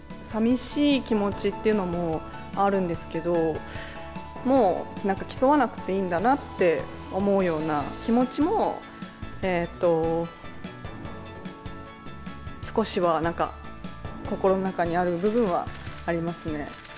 さみしい気持ちというのもあるんですけど、もう競わなくていいんだなって思うような気持ちも、少しはなんか、心の中にある部分はありますね。